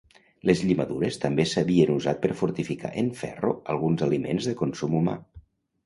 Les llimadures també s'havien usat per fortificar en ferro alguns aliments de consum humà.